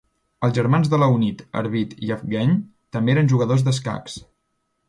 Els germans de Leonid, Arvid i Evgeny, també eren jugadors d'escacs.